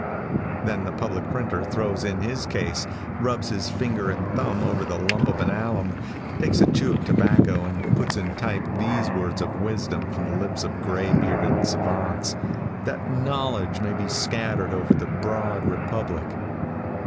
Then the public printer throws in his case, rubs his finger and thumb over a lump of alum, takes a chew of tobacco, and puts in type these words of wisdom from the lips of gray bearded savants, that knowledge may be scattered over the broad republic.